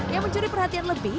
yang mencuri perhatian lebih